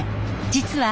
実は